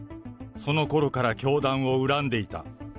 そのころから教団を恨んでいた。